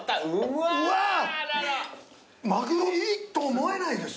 マグロと思えないですね。